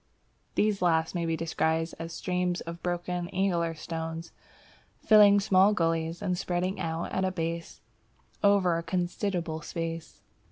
(These last may be described as streams of broken, angular stones, filling small gullies, and spreading out at the base over a considerable space.)